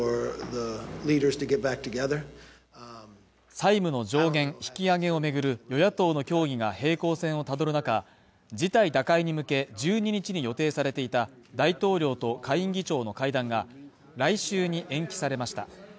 債務の上限引き上げを巡る与野党の協議が平行線をたどる中、事態打開に向け、１２日に予定されていた大統領と下院議長の会談が来週に延期されました。